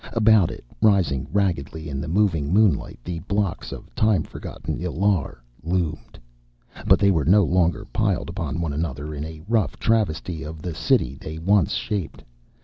About it, rising raggedly in the moving moonlight, the blocks of time forgotten Illar loomed. But they were no longer piled one upon another in a rough travesty of the city they once had shaped.